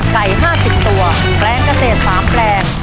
ไก่๕๐ตัวแปลงเกษตร๓แปลง